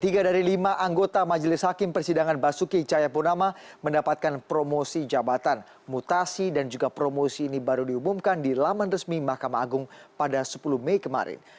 tiga dari lima anggota majelis hakim persidangan basuki cahayapunama mendapatkan promosi jabatan mutasi dan juga promosi ini baru diumumkan di laman resmi mahkamah agung pada sepuluh mei kemarin